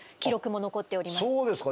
そうですか。